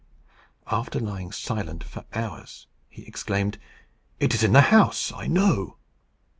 After lying silent for hours, he exclaimed, "It is in the house, I know!"